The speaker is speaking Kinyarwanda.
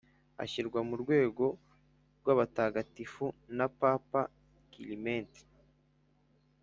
ashyirwa mu rwego rw’abatagatifu na papa kilimenti